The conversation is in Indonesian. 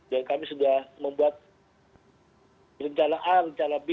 dan kami sudah membuat rencana a rencana b